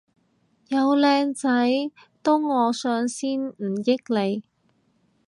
有靚仔都我上先唔益你